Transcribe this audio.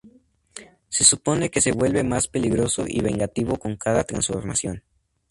Se supone que se vuelve más peligroso y vengativo con cada transformación.